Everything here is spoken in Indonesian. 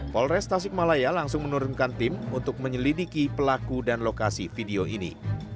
polres tasikmalaya langsung menurunkan tim untuk menyelidiki pelaku dan lokasi video ini